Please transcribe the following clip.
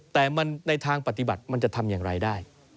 แต่มันในทางปฏิบัติมันจะทำอย่างไรได้